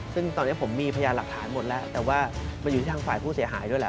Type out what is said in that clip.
ซึ่งตอนนี้ผมมีพยานหลักฐานหมดแล้วแต่ว่ามันอยู่ที่ทางฝ่ายผู้เสียหายด้วยแหละ